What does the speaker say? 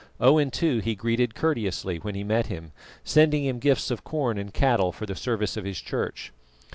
Owen, too, he greeted courteously when he met him, sending him gifts of corn and cattle for the service of his church.